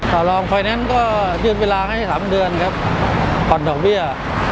ก็ลองไปนั้นก็ยืนเวลาให้สามเดือนครับก่อนดอกเบี้ย